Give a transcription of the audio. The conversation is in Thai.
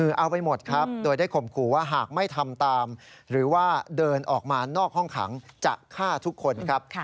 คือเอาไปหมดครับโดยได้ข่มขู่ว่าหากไม่ทำตามหรือว่าเดินออกมานอกห้องขังจะฆ่าทุกคนครับ